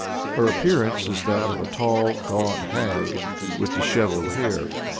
Her appearance is that of a tall, gaunt hag, with dishevelled hair.